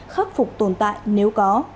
khắc phục tồn tại nếu có